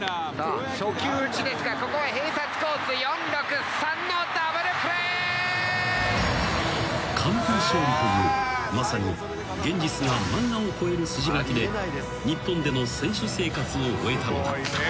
「初球打ちですがここは併殺コース」「４−６−３のダブルプレー」［完封勝利というまさに現実が漫画を超える筋書きで日本での選手生活を終えたのだった］